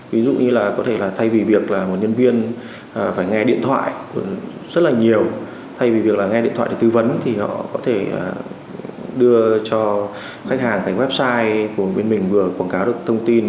ví dụ như là có thể là thay vì việc là một nhân viên phải nghe điện thoại rất là nhiều thay vì việc là nghe điện thoại để tư vấn thì họ có thể đưa cho khách hàng thành website của bên mình vừa quảng cáo được thông tin